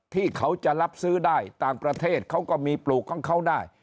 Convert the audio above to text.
ที่เขาจะรับซื้อได้ต่างประเทศเขาก็มีปลูกของเขาได้